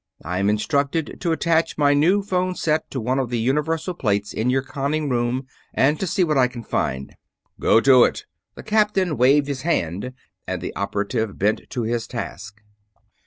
I am instructed to attach my new phone set to one of the universal plates in your conning room, and to see what I can find." "Go to it!" The captain waved his hand and the operative bent to his task.